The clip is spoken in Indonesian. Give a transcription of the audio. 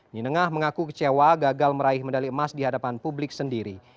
nenengah mengaku kecewa gagal meraih medali emas di hadapan publik sendiri